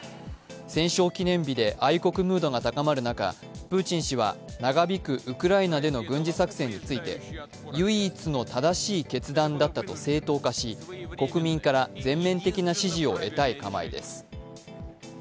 戦勝記念日で愛国ムードが高まる中、プーチン氏は、長引くウクライナでの軍事作戦について唯一の正しい決断だったと正当化し、国民から全面的な支持を得たい構えです。